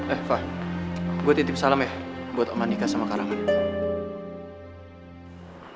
eh fah gue titip salam ya buat omanika sama karangan